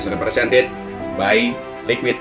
oleh aset beraset beraset